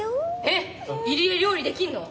えっ入江料理できんの？